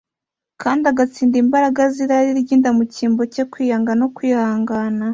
kandi agatsinda imbaraga z’irari ry’inda mu cyimbo cye, kwiyanga no kwihangana,